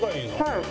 はい。